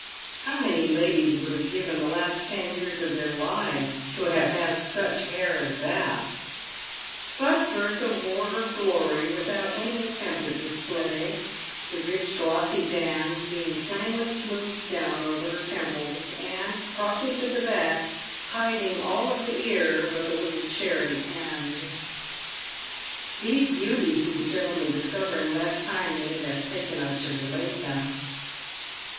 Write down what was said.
How many ladies would have given the last ten years of their lives to have had such hair as that ! But Bertha wore her glory without any attempt at display, the rich glossy bands being plainly smoothed down over her temples, and, crossing to the back, hiding all of the ear but the little cherry end. These beauties did the gentlemen discover in less time than it has taken us to relate them.